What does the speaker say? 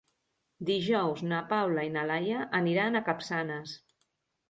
Dijous na Paula i na Laia aniran a Capçanes.